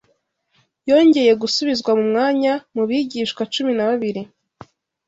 yongeye gusubizwa mu mwanya mu bigishwa cumi na babiri